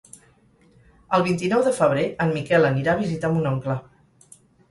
El vint-i-nou de febrer en Miquel anirà a visitar mon oncle.